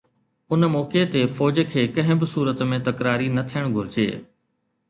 ان موقعي تي فوج کي ڪنهن به صورت ۾ تڪراري نه ٿيڻ گهرجي.